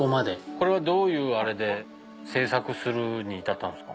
これはどういうあれで制作するに至ったんですか？